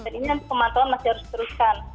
dan ini pemantauan masih harus diteruskan